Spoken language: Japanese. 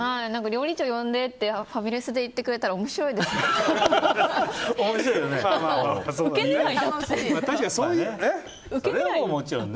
料理長呼んでってファミレスで言ってくれたら面白いですもん。